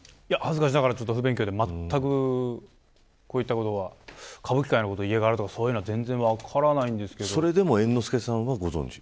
恥ずかしながら不勉強で全く、こういったことは歌舞伎界の家柄とかそれでも猿之助さんはご存じ。